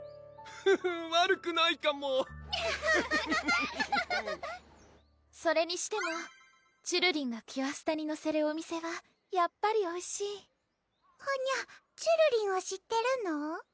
フフッ悪くないかもハハハハそれにしてもちゅるりんがキュアスタにのせるお店はやっぱりおいしいはにゃちゅるりんを知ってるの？